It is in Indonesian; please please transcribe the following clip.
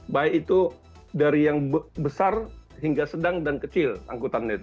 baik itu dari yang besar hingga sedang dan kecil angkutannya itu